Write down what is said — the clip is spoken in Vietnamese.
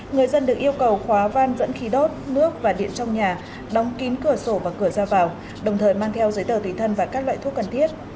người dân được yêu cầu khóa van dẫn khí đốt nước và điện trong nhà đóng kín cửa sổ và cửa ra vào đồng thời mang theo giấy tờ tùy thân và các loại thuốc cần thiết